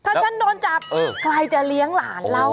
ถ้าฉันโดนจับใครจะเลี้ยงหลานเรา